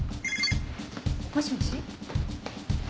もしもし。